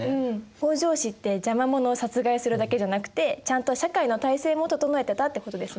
北条氏って邪魔者を殺害するだけじゃなくてちゃんと社会の体制も整えてたってことですね。